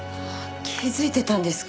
気づいてたんですか？